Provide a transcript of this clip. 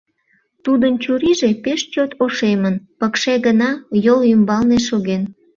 Тудын чурийже пеш чот ошемын, пыкше гына йол ӱмбалне шоген.